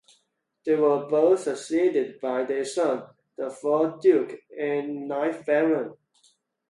They were both succeeded by their son, the fourth Duke and ninth Baron.